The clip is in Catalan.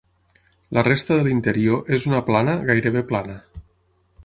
La resta de l'interior és una plana gairebé plana.